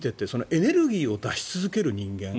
エネルギーを出し続ける人間。